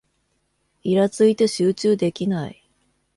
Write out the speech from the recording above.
イラついて集中できない